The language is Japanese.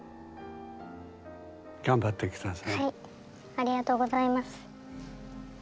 ありがとうございます。